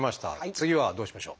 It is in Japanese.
次はどうしましょう？